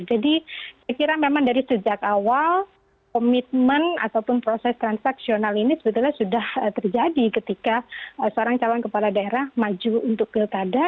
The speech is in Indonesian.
jadi saya kira memang dari sejak awal komitmen ataupun proses transaksional ini sebetulnya sudah terjadi ketika seorang calon kepala daerah maju untuk pilkada